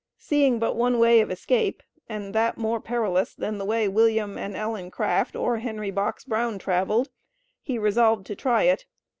Seeing but one way of escape (and that more perilous than the way William and Ellen Craft, or Henry Box Brown traveled), he resolved to try it.